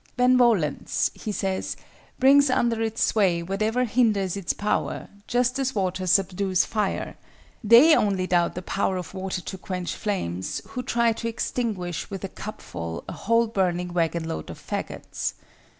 "Benevolence," he says, "brings under its sway whatever hinders its power, just as water subdues fire: they only doubt the power of water to quench flames who try to extinguish with a cupful a whole burning wagon load of fagots."